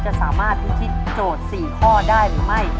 จะสามารถพิธีโจทย์๔ข้อได้หรือไม่